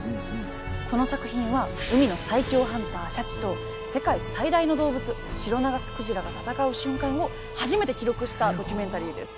この作品は海の最強ハンターシャチと世界最大の動物シロナガスクジラが闘う瞬間を初めて記録したドキュメンタリーです。